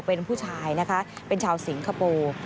เป็นผู้ชายนะคะเป็นชาวสิงคโปร์